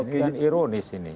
ini kan ironis ini